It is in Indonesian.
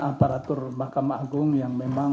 aparatur mahkamah agung yang memang